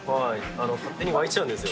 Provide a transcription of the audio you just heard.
勝手にわいちゃうんですよ。